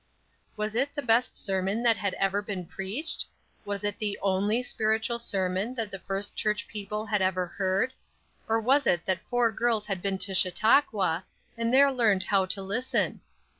Was it the best sermon that had ever been preached? Was it the only spiritual sermon that the First Church people had ever heard, or was it that four girls had been to Chautauqua, and there learned how to listen?